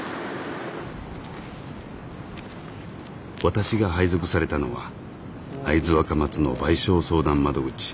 私が配属されたのは会津若松の賠償相談窓口。